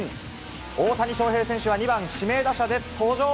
大谷翔平選手は２番・指名打者で登場。